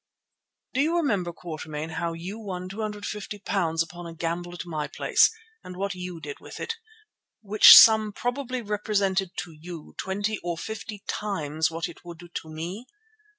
"Do you remember, Quatermain, how you won £250 upon a gamble at my place and what you did with it, which sum probably represented to you twenty or fifty times what it would to me?